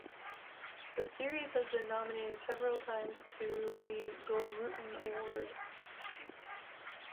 The series has been nominated several times to the Gullruten award.